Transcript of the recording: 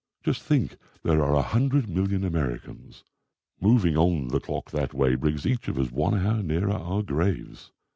Just think; there are a hundred million Americans. Moving on the clock that way brings each of us one hour nearer our graves.